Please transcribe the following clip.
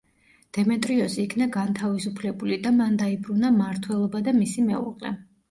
დემეტრიოსი იქნა განთავისუფლებული და მან დაიბრუნა მართველობა და მისი მეუღლე.